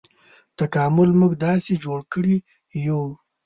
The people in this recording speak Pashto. تکامل موږ داسې جوړ کړي یوو.